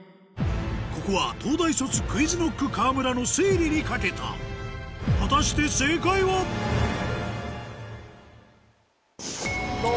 ここは東大卒ＱｕｉｚＫｎｏｃｋ・河村の推理に懸けた果たして正解はお！